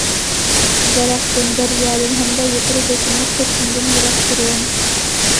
دەرەختىن، دەريادىن ھەمدە يۇقىرى بېسىملىق توك سىمىدىن يىراق تۇرۇڭ.